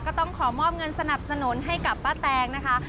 ก็ต้องขอมอบเงินสนับสนุนให้กับป้าแตงนะคะ